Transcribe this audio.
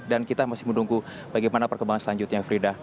dan kita masih menunggu bagaimana perkembangan selanjutnya frida